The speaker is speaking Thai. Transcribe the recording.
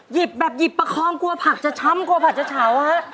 หยิบแบบหยิบประคองกลัวผักจะช้ำกลัวผักจะเฉาฮะ